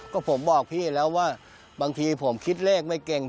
ก็ผมบอกพี่แล้วว่าบางทีผมคิดเลขไม่เก่ง